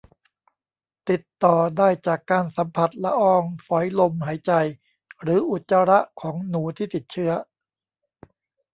ติดต่อได้จากการสัมผัสละอองฝอยลมหายใจ หรืออุจจาระของหนูที่ติดเชื้อ